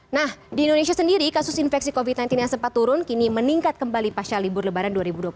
nah di indonesia sendiri kasus infeksi covid sembilan belas yang sempat turun kini meningkat kembali pasca libur lebaran dua ribu dua puluh satu